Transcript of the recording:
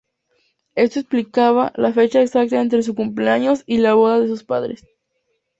Esto explicaba la fecha exacta entre su cumpleaños y la boda de sus padres.